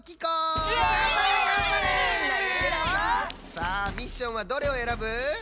さあミッションはどれをえらぶ？